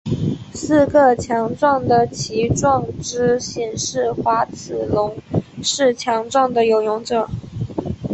四个强壮的鳍状肢显示滑齿龙是强壮的游泳者。